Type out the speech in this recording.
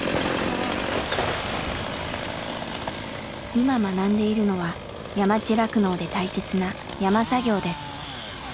今学んでいるのは山地酪農で大切な山作業です。